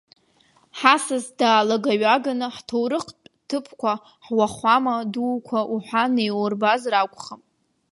Ҳасас даалагаҩаганы, ҳҭоурыхтә ҭыԥқәа, ҳуахәама ду уҳәа неиурбозар акәхап.